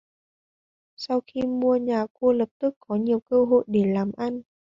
Sau khi mua nhà cô lập tức có nhiều cơ hội để làm ăn